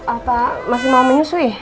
apa masih mau menyusui